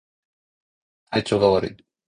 体調が悪い